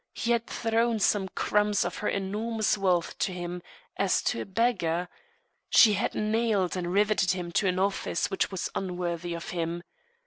She had thrown some crumbs of her enormous wealth to him, as to a beggar. She had nailed and riveted him to an office which was unworthy him.